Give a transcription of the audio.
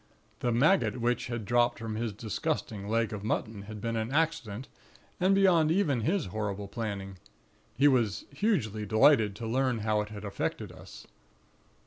"The maggot which had dropped from his disgusting leg of mutton had been an accident, and beyond even his horrible planning. He was hugely delighted to learn how it had affected us.